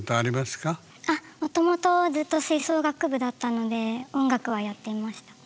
あっもともとずっと吹奏楽部だったので音楽はやっていました。